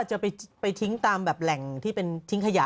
จะไปทิ้งตามแบบแหล่งที่เป็นทิ้งขยะ